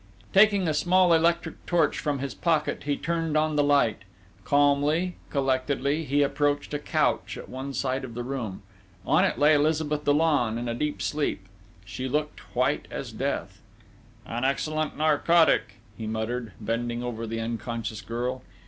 Taking a small electric torch from his pocket he turned on the light. Calmly, collectedly, he approached a couch at one side of the room.... On it lay Elizabeth Dollon in a deep sleep. She looked white as death. "An excellent narcotic," he muttered, bending over the unconscious girl.